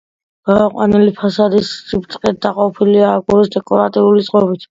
გამოყვანილი ფასადის სიბრტყე დაყოფილია აგურის დეკორატიული წყობით.